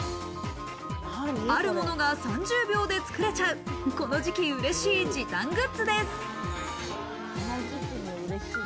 あるものが３０秒で作れちゃう、この時期うれしい時短グッズです。